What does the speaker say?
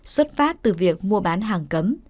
xuất phát từ việc mua bán hàng cấm